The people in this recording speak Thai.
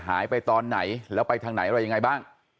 หายไปตอนไหนและไปทางไหนว่าอย่างไรบ้าง